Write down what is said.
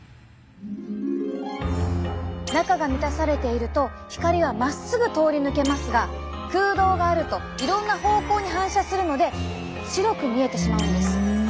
中が満たされていると光はまっすぐ通り抜けますが空洞があるといろんな方向に反射するので白く見えてしまうんです。